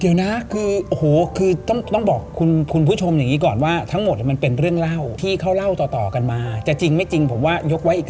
เดี๋ยวนะคือโอ้โหคือต้องบอกคุณผู้ชมอย่างนี้ก่อนว่า